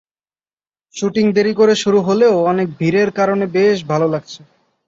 Shooting দেরি করে শুরু হলেও অনেক ভিড়ের কারণে বেশ ভালো লাগছে।